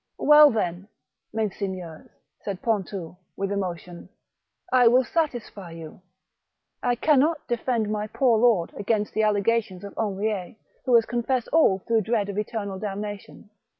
Well then, messeigneurs," said Pontou, with emo tion ; "I will satisfy you ; I cannot defend my poor lord against the allegations of Henriet, who has con fessed all through dread of eternal damnation."